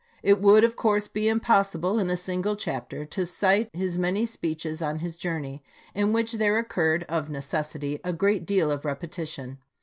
It would, of course, be impossible in a single chapter to cite his many speeches on this journey, in which there occurred, of necessity, a great deal of repetition.